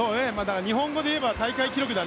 日本語で言えば大会記録。